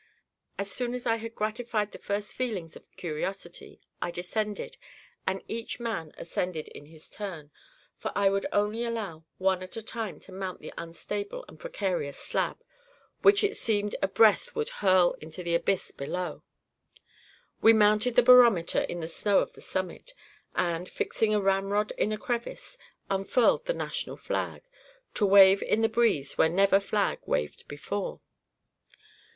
As soon as I had gratified the first feelings of curiosity, I descended, and each man ascended in his turn, for I would only allow one at a time to mount the unstable and precarious slab, which it seemed a breath would hurl into the abyss below. We mounted the barometer in the snow of the summit, and, fixing a ramrod in a crevice, unfurled the national flag, to wave in the breeze where never flag waved before.